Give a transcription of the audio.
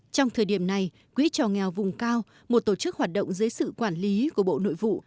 trong thời điểm này quỹ cho nghèo vùng cao một tổ chức hoạt động dưới sự quản lý của bộ nội vụ